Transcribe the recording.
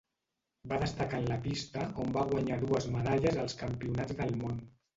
Va destacar en la pista on va guanyar dues medalles als Campionats del Món.